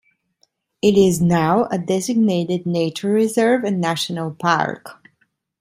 It is now a designated nature reserve and national park.